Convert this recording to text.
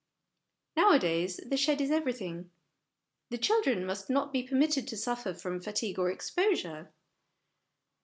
Nowadays, the shed is everything ; the children must not be permitted to suffer from fatigue or exposure.